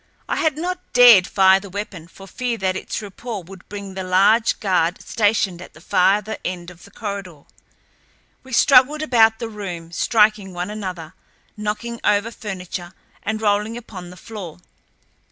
I had not dared fire the weapon for fear that its report would bring the larger guard stationed at the farther end of the corridor. We struggled about the room, striking one another, knocking over furniture, and rolling upon the floor.